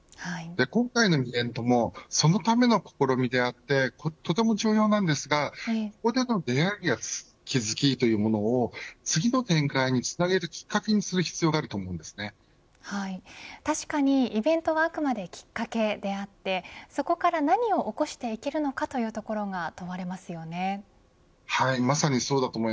今回のイベントもそのための試みでとても重要ですがここでの出会いや気付きというものを次の展開につなげるきっかけにする必要が確かにイベントはあくまできっかけであってそこから何を起こしていけるのかまさにそうです。